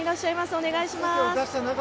お願いします。